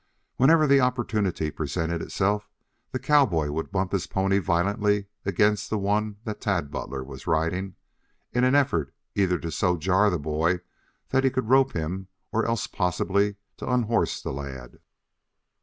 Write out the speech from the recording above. Whenever the opportunity presented itself the cowboy would bump his pony violently against the one that Tad Butler was riding, in an effort either to so jar the boy that he could rope him or else possibly to unhorse the lad.